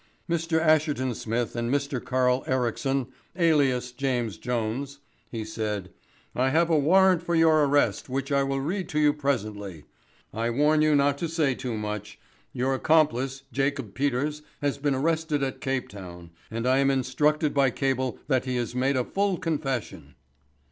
"Mr. Asherton Smith and Mr. Carl Ericsson, alias James Jones," he said, "I have a warrant for your arrest which I will read to you presently. I warn you not to say too much. Your accomplice, Jacob Peters, has been arrested at Cape Town, and I am instructed by cable that he has made a full confession."